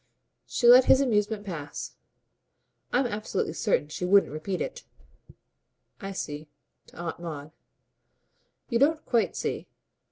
She let his amusement pass. "I'm absolutely certain she wouldn't repeat it." "I see. To Aunt Maud." "You don't quite see.